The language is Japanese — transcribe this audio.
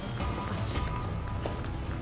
こっち。